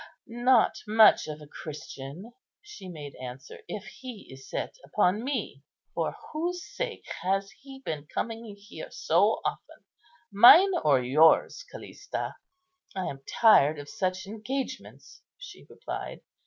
"Not much of a Christian," she made answer, "if he is set upon me." "For whose sake has he been coming here so often, mine or yours, Callista?" "I am tired of such engagements," she replied.